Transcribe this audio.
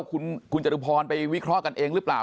คุณจตุพรไปวิเคราะห์กันเองหรือเปล่า